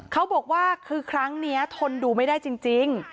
เขาบอกว่าคือครั้งนี้ทนดูไม่ได้จริง